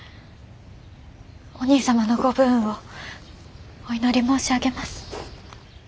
お兄様のご武運をお祈り申し上げます。